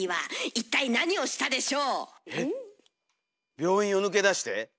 病院を抜け出して？